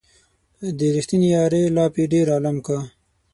د ريښتينې يارۍ لاپې ډېر عالم کا